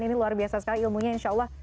ini luar biasa sekali ilmunya insya allah